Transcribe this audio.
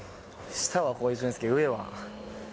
下はこういくんですけど、上は。